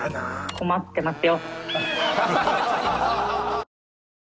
困ってますよ。